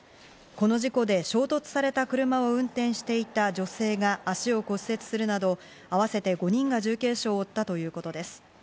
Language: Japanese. この事故で衝突された車を運転していた女性が足を骨折するなど、合わせて５人が重軽傷を負ったということです。